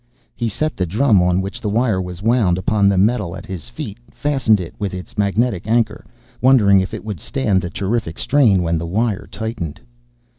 He set the drum on which the wire was wound upon the metal at his feet, fastened it with its magnetic anchor, wondering if it would stand the terrific strain when the wire tightened.